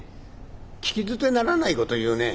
聞き捨てならないこと言うね。